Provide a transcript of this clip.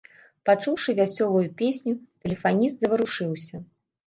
Пачуўшы вясёлую песню, тэлефаніст заварушыўся.